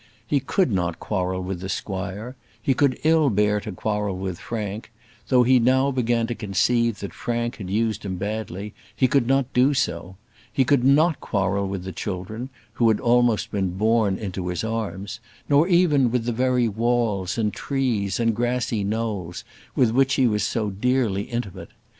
He could not quarrel with the squire; he could ill bear to quarrel with Frank; though he now began to conceive that Frank had used him badly, he could not do so; he could not quarrel with the children, who had almost been born into his arms; nor even with the very walls, and trees, and grassy knolls with which he was so dearly intimate.